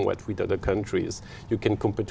đối với các nước khác